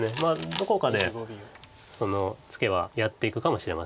どこかでそのツケはやっていくかもしれません。